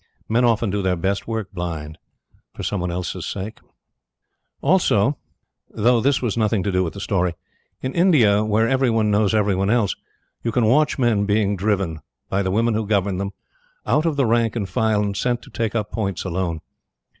Men often do their best work blind, for some one else's sake. Also, though this has nothing to do with the story, in India where every one knows every one else, you can watch men being driven, by the women who govern them, out of the rank and file and sent to take up points alone.